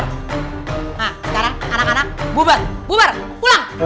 nah sekarang anak anak bubar bubar pulang